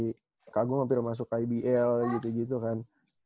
kakak gue hampir masuk kbl gitu gitu kan